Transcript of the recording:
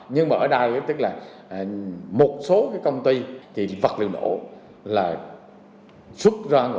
nhưng mà ở đây tức là một số cái công ty thì vật liệu nổ là xuất ra